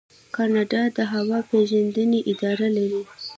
کاناډا د هوا پیژندنې اداره لري.